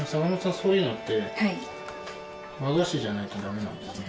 そういうのって和菓子じゃないとダメなんですね